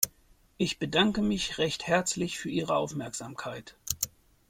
Ich bedanke mich recht herzlich für Ihre Aufmerksamkeit.